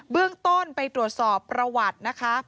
เบื้องต้นไปตรวจสอบประวัตินะคะ